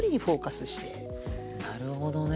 なるほどね。